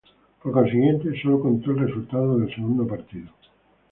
Por consiguiente, sólo contó el resultado del segundo partido.